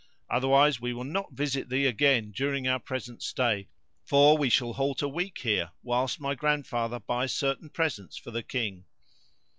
Otherwise we will not visit thee again during our present stay; for we shall halt a week here, whilst my grandfather buys certain presents for the King."